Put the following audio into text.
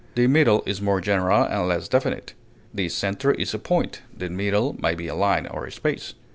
the middle is more general and less definite. The center is a point; the middle may be a line or a space.